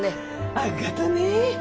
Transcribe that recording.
あっがとね。